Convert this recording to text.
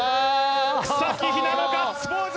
草木ひなの、ガッツポーズ。